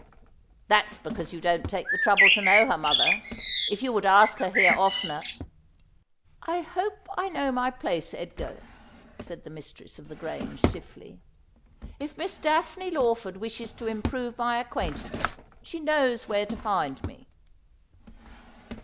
' That's because you don't take the trouble to know her, mother. If you would ask her here oftener —>—' 'I hope I know my place, Edgar,' said the mistress of the G range stiffly. ' If Miss Daphne Lawford wishes to improve my acquaintance she knows where to find me.'